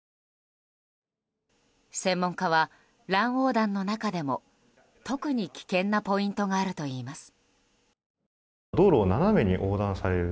専門家は、乱横断の中でも特に危険なポイントがあるといいます。